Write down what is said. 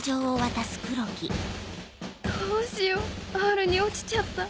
どうしようＲに落ちちゃった。